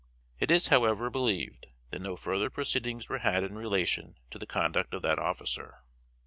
It is, however, believed, that no further proceedings were had in relation to the conduct of that officer.